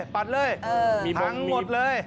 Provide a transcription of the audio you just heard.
ปัดเลยพังหมดเลย